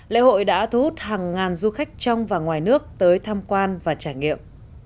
lễ hội đã thu hút hàng ngàn du khách trong và ngoài nước tới tham quan và trải nghiệm